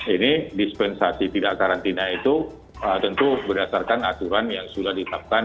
ini dispensasi tidak karantina itu tentu berdasarkan aturan yang sudah ditetapkan